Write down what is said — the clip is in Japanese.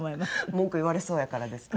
文句言われそうやからですか？